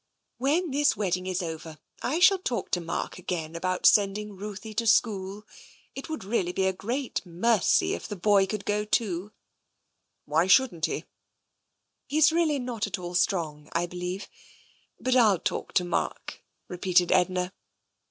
*'When this wedding is over I shall talk to Mark again about sending Ruthie to school. It would really be a great mercy if the boy could go too." it 2IO TENSION "Why shouldn't he?" " He's really not at all strong, I believe. But I'll talk to Mark," repeated Edna.